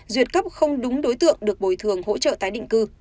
duyệt cấp không đúng đối tượng được bồi thường hỗ trợ tái định cư